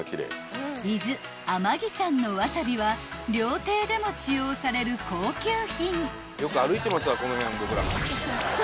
［伊豆天城山のわさびは料亭でも使用される高級品］